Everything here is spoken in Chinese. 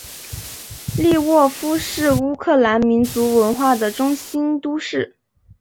利沃夫是乌克兰民族文化的中心都市。